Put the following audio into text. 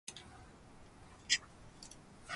今年は熊が多い。